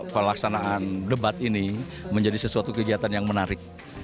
pelaksanaan debat ini menjadi sesuatu kegiatan yang menarik